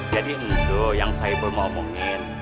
jadi untuk yang saiful mau omongin